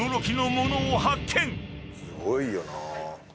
すごいよな。